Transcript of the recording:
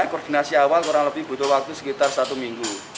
koordinasi awal kurang lebih butuh waktu sekitar satu minggu